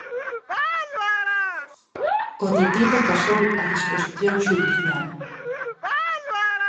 O detido pasou a disposición xudicial.